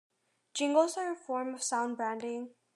Jingles are a form of sound branding.